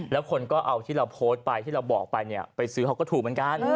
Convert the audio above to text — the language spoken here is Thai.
แล้วคนก็เอาที่เราโพสต์ไปที่เราบอกไปเนี่ยไปซื้อเขาก็ถูกเหมือนกัน